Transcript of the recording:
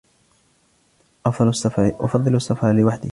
أفضل السفر لوحدي.